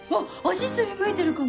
足擦りむいてるかも。